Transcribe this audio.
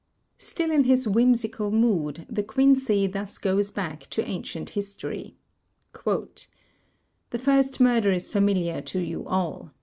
Still in his whimsical mood, De Quincey thus goes back to Ancient History: "The first murder is familiar to you all.